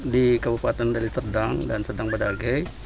di kabupaten diliserdang dan sedang badage